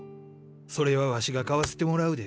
それはわしが買わせてもらうで。